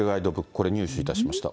これ、入手いたしました。